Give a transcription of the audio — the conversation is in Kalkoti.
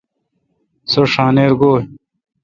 سو ݭانیر گویں۔